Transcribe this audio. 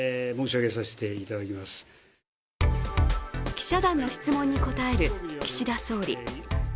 記者団の質問に答える岸田総理。